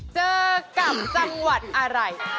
เจอกับจังหวัดอะไร